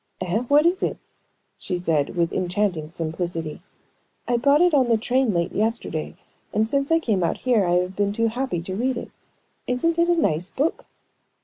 "Eh? What kind is it?" she said, with enchanting simplicity. "I bought it on the train late yesterday, and since I came out here I have been too happy to read it. Isn't it a nice book?"